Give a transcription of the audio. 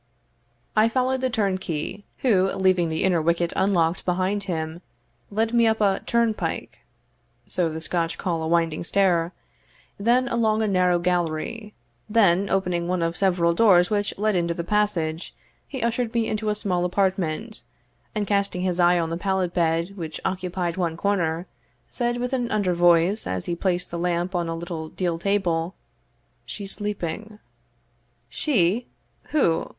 I followed the turnkey, who, leaving the inner wicket unlocked behind him, led me up a turnpike (so the Scotch call a winding stair), then along a narrow gallery then opening one of several doors which led into the passage, he ushered me into a small apartment, and casting his eye on the pallet bed which occupied one corner, said with an under voice, as he placed the lamp on a little deal table, "She's sleeping." "She! who?